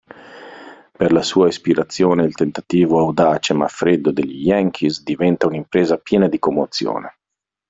Per la sua ispirazione il tentativo audace ma freddo degli yankees diventa un'impresa piena di commozione.